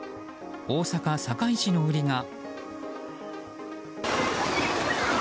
大阪・堺市の売りが。